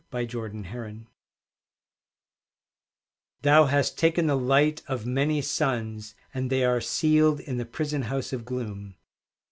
TO THE DARKNESS Thou hast taken the light of many suns, And they are sealed in the prison house of gloom.